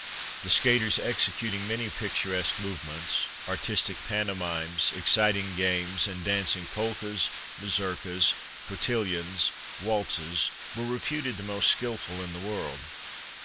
The skaters executing many picturesque movements, artistic pantomimes, exciting games, and dancing polkas, mazurkas, cotillions, waltzes, were reputed the most skilful in the world.